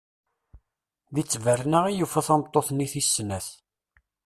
Di tberna i yufa tameṭṭut-nni tis snat.